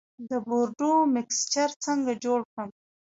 د بورډو مکسچر څنګه جوړ کړم؟